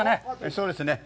そうですね。